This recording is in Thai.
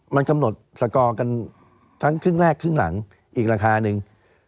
มันกำหนดสกอร์กันทั้งครึ่งแรกครึ่งหลังอีกราคาหนึ่ง